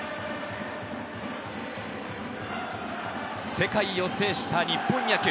世界を制した日本野球。